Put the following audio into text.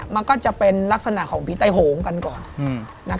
มันก็จะเป็นลักษณะของผีใต้โหงกันก่อน